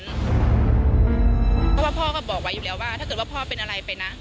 เพราะว่าพ่อก็บอกไว้อยู่แล้วว่าถ้าเกิดว่าพ่อเป็นอะไรไปนะ